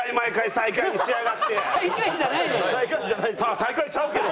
最下位ちゃうけど。